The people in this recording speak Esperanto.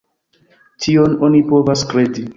Tion oni povas kredi.